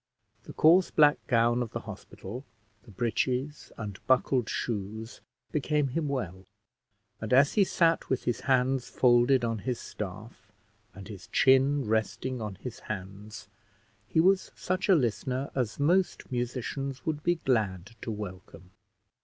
The coarse black gown of the hospital, the breeches, and buckled shoes became him well; and as he sat with his hands folded on his staff, and his chin resting on his hands, he was such a listener as most musicians would be glad to welcome.